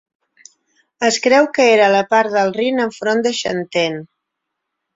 Es creu que era a la part del Rin enfront de Xanten.